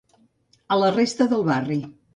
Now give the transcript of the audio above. A la resta del barri.